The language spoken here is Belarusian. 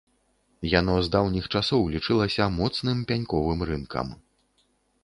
Яно з даўніх часоў лічылася моцным пяньковым рынкам.